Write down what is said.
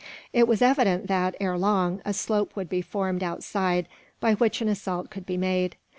It was evident that, ere long, a slope would be formed outside by which an assault could be made.